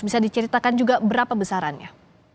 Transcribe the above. bisa diceritakan juga berapa besarannya